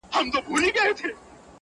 د ځنګله په پاچهي کي هر څه کېږي--!